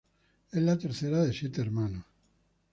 Es la tercera de siete hermanos.